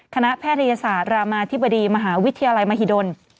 แพทยศาสตร์รามาธิบดีมหาวิทยาลัยมหิดล